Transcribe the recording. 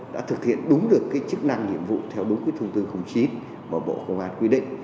đã thực hiện đúng được chức năng nhiệm vụ theo đúng thông tin khủng trí mà bộ công an quy định